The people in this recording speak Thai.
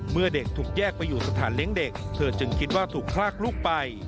เมื่อเด็กถูกแยกไปอยู่สถานเลี้ยงเด็กเธอจึงคิดว่าถูกพลากลูกไป